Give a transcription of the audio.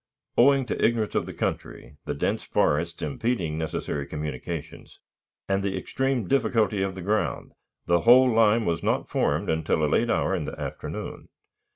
Owing to ignorance of the country, the dense forests impeding necessary communications, and the extreme difficulty of the ground, the whole line was not formed until a late hour in the afternoon.